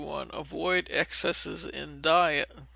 Avoid excesses in diet.